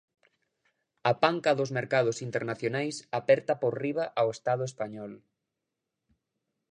A panca dos mercados internacionais aperta por riba ao Estado español.